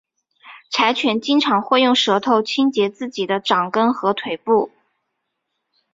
柴犬经常会用舌头清洁自己的脚掌和腿部。